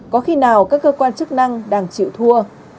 có khi nào các cơ quan chức năng đang chịu thua